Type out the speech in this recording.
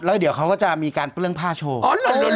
แล้วยังเดี๋ยวมีการเปลื้องผ้าโชว์